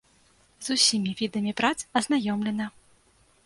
З усімі відамі прац азнаёмлена.